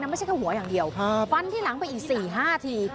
ไม่ใช่แค่หัวอย่างเดียวฟันที่หลังไปอีก๔๕ที